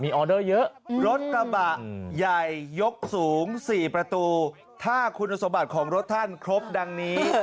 ออเดอร์เยอะรถกระบะใหญ่ยกสูง๔ประตูถ้าคุณสมบัติของรถท่านครบดังนี้